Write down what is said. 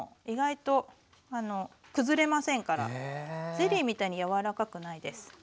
ゼリーみたいに柔らかくないです。